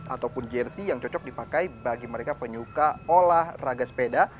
ataupun jersi yang cocok dipakai bagi mereka penyuka olahraga sepeda